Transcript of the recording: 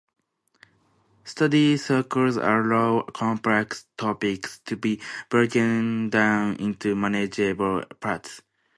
Study circles allow complex topics to be broken down into manageable parts.